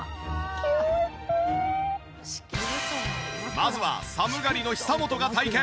まずは寒がりの久本が体験！